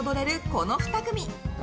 この２組！